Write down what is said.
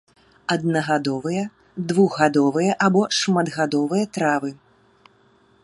Аднагадовыя, двухгадовыя або шматгадовыя травы.